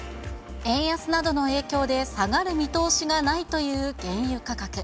円安などの影響で下がる見通しがないという原油価格。